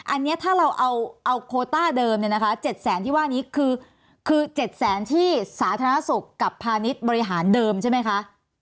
อันนี้ถ้าเราเอาโคต้าเดิมเนี่ยนะคะ๗แสนที่ว่านี้คือ๗แสนที่สาธารณสุขกับพาณิชย์บริหารเดิมใช่ไหมคะ